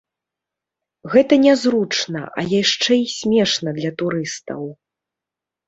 Гэта нязручна, а яшчэ і смешна для турыстаў.